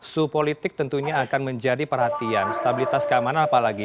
suhu politik tentunya akan menjadi perhatian stabilitas keamanan apalagi